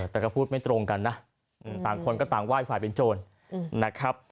แต่ก็พูดไม่ตรงกันนะต่างคนก็ต่างไหว้ฝ่ายเป็นโจรนะครับ